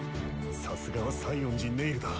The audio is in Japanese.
さすがは西園寺ネイルだ。